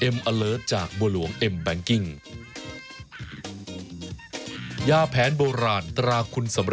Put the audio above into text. มันถ่วงลงมาแล้วนะครับ